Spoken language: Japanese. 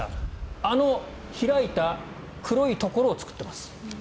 あの開いた黒いところを作っています。